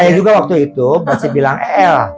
saya juga waktu itu masih bilang el